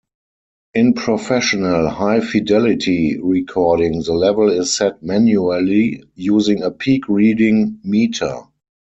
In professional high-fidelity recording the level is set manually using a peak-reading meter.